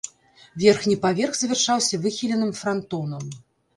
Верхні паверх завяршаўся выхіленым франтонам.